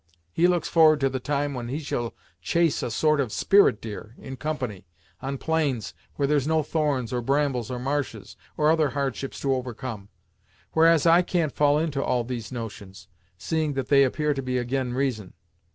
He looks forward to the time when he shall chase a sort of spirit deer, in company, on plains where there's no thorns, or brambles, or marshes, or other hardships to overcome, whereas I can't fall into all these notions, seeing that they appear to be ag'in reason.